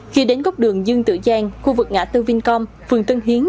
khi đến góc đường dương tự giang khu vực ngã tân vinh com phường tân hiến